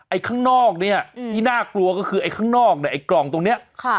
ข้างนอกเนี่ยที่น่ากลัวก็คือไอ้ข้างนอกเนี่ยไอ้กล่องตรงเนี้ยค่ะ